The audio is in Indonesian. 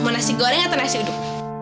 mau nasi goreng atau nasi uduk